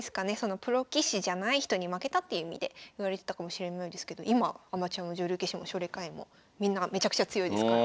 プロ棋士じゃない人に負けたっていう意味で言われてたかもしれないですけど今アマチュアも女流棋士も奨励会員もみんなめちゃくちゃ強いですから。